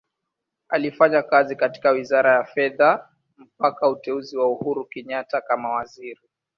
Alifanya kazi katika Wizara ya Fedha mpaka uteuzi wa Uhuru Kenyatta kama Waziri.